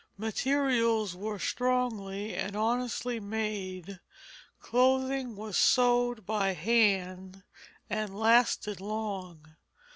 Materials were strongly and honestly made, clothing was sewed by hand, and lasted long.